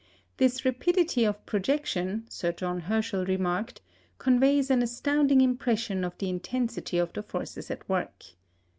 This rapidity of projection, Sir John Herschel remarked, "conveys an astounding impression of the intensity of the forces at work."